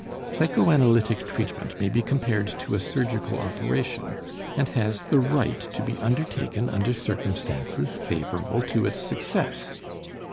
Psychoanalytic treatment may be compared to a surgical operation, and has the right to be undertaken under circumstances favorable to its success.